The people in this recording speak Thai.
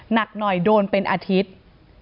หนักหน่อยโดนเป็นอาทิตย์